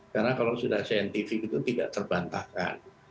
karena kalau sudah saintifik itu tidak terbantahkan